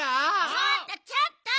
ちょっとちょっと！